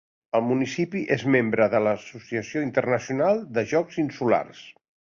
El municipi és membre de l'Associació Internacional dels Jocs Insulars.